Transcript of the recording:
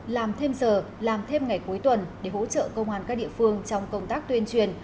làm thêm giờ làm thêm ngày cuối tuần để hỗ trợ công an các địa phương trong công tác tuyên truyền